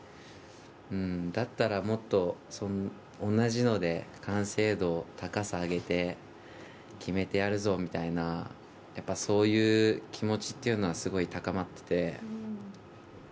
だったらもっと同じので完成度を高さ上げて決めてやるぞ、みたいなそういう気持ちというのはすごい高まっていて。